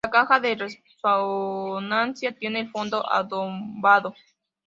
La caja de resonancia tiene el fondo abombado.